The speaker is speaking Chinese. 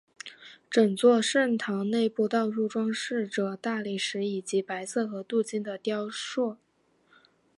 整座圣堂内部到处装饰着大理石以及白色和镀金的雕塑。